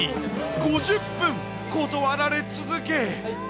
５０分断られ続け。